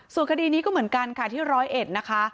ส่วนคดีนี้ก็เหมือนกันค่ะที่๑๐๑นะคะ